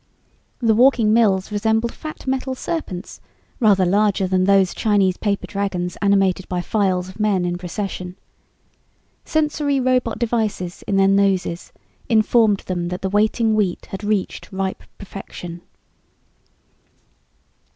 The walking mills resembled fat metal serpents, rather larger than those Chinese paper dragons animated by files of men in procession. Sensory robot devices in their noses informed them that the waiting wheat had reached ripe perfection.